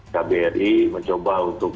kbri mencoba untuk